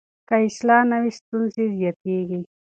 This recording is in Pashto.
که اصلاح نه وي، ستونزې زیاتېږي.